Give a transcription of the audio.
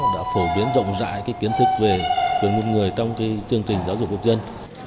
đã phổ biến rộng rãi kiến thức về quyền con người trong chương trình giáo dục quốc dân